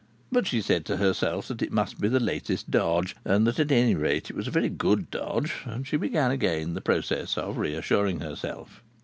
But she said to herself that it must be the latest dodge, and that, at any rate, it was a very good dodge, and she began again the process of reassuring herself.